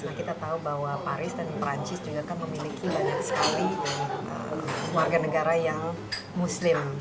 nah kita tahu bahwa paris dan perancis juga kan memiliki banyak sekali warga negara yang muslim